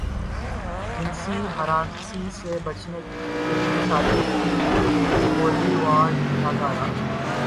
جنسی ہراسانی سے بچنے کیلئے شادی کی ہولی وڈ اداکارہ